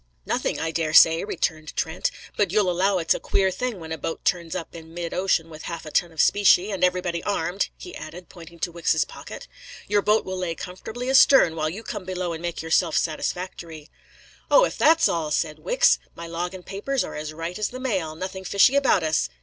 "Nothing, I daresay," returned Trent. "But you'll allow it's a queer thing when a boat turns up in mid ocean with half a ton of specie, and everybody armed," he added, pointing to Wicks's pocket. "Your boat will lay comfortably astern, while you come below and make yourself satisfactory." "O, if that's all!" said Wicks. "My log and papers are as right as the mail; nothing fishy about us."